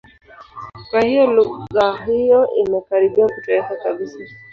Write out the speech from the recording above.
Kwa hiyo lugha hiyo imekaribia kutoweka kabisa.